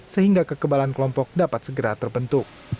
sehingga kekebalan kelompok dapat segera terbentuk